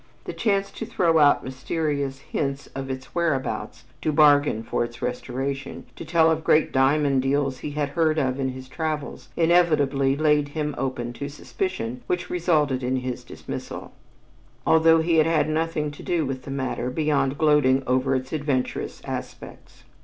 The chance to throw out mysterious hints of its whereabouts, to bargain for its restoration, to tell of great diamond deals he had heard of in his travels, inevitably laid him open to suspicion which resulted in his dismissal, although he had had nothing to do with the matter beyond gloating over its adventurous aspects.